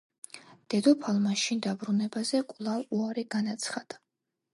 დედოფალმა შინ დაბრუნებაზე კვლავ უარი განაცხადა.